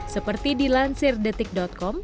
seperti dilansir detik com